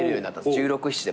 １６１７で。